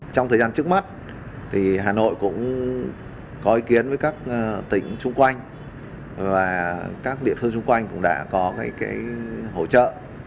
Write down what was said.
trong thời gian trước mắt hà nội cũng có ý kiến với các tỉnh xung quanh và các địa phương chung quanh cũng đã có hỗ trợ